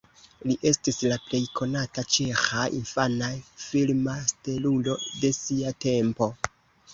Li estis la plej konata ĉeĥa infana filma stelulo de sia tempo.